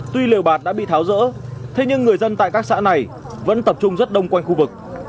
tuy liều bạt đã bị tháo rỡ thế nhưng người dân tại các xã này vẫn tập trung rất đông quanh khu vực